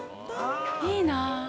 いいなぁ。